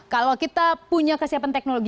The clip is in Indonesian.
kalau kita punya kesiapan teknologi